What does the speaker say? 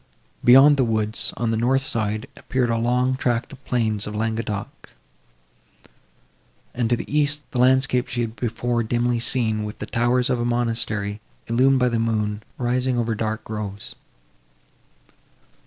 Beyond the woods, on the north side, appeared a long tract of the plains of Languedoc; and, to the east, the landscape she had before dimly seen, with the towers of a monastery, illumined by the moon, rising over dark groves.